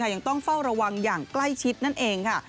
ยังต้องเฝ้าระวังอย่างใกล้ชิดนั่นเองค่ะ